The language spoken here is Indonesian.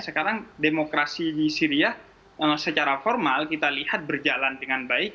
sekarang demokrasi di syria secara formal kita lihat berjalan dengan baik